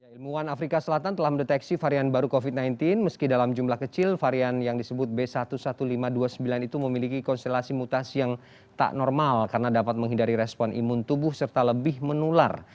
ilmuwan afrika selatan telah mendeteksi varian baru covid sembilan belas meski dalam jumlah kecil varian yang disebut b satu satu lima ratus dua puluh sembilan itu memiliki konstelasi mutasi yang tak normal karena dapat menghindari respon imun tubuh serta lebih menular